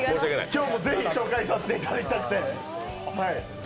今日もぜひ紹介させていただきたくて。